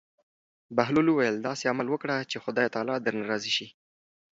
بهلول وویل: داسې عمل وکړه چې خدای تعالی درنه راضي شي.